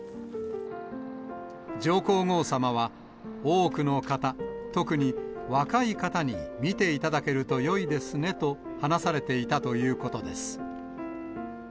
上皇后さまは、多くの方、特に若い方に見ていただけるとよいですねと話されていたということです。